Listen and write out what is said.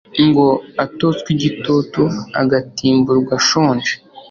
ngo atotswa igitutu agatimburwa ashonje